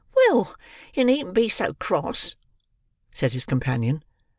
"Well, you needn't be so cross," said his companion.